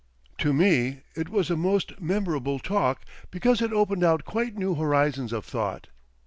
To me it was a most memorable talk because it opened out quite new horizons of thought.